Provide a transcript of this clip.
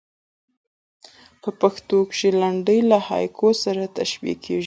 په پښتو کښي لنډۍ له هایکو سره تشبیه کېږي.